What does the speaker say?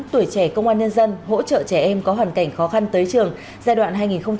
tuổi trẻ công an nhân dân hỗ trợ trẻ em có hoàn cảnh khó khăn tới trường giai đoạn hai nghìn một mươi sáu hai nghìn hai mươi năm